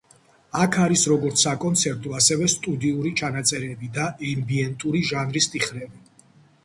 აქ არის როგორც საკონცერტო, ასევე სტუდიური ჩანაწერები და ემბიენტური ჟანრის ტიხრები.